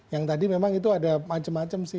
yang tadi memang itu ada macam macam sih